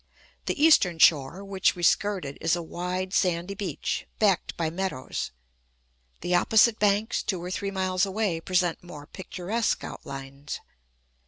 The eastern shore, which we skirted, is a wide, sandy beach, backed by meadows. The opposite banks, two or three miles away, present more picturesque outlines.